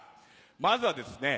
まずはですね